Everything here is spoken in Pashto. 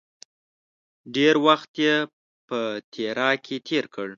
ډېر وخت یې په تیراه کې تېر کړ.